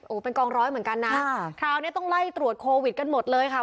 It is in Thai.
โอ้โหเป็นกองร้อยเหมือนกันนะคราวนี้ต้องไล่ตรวจโควิดกันหมดเลยค่ะ